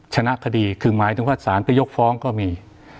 ชนะคดีคือหมายถึงว่าสารไปยกฟ้องก็มี